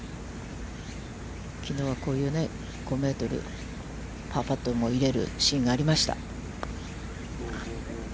きのうは、こういう５メートル、パーパットも入れるシーンがありました。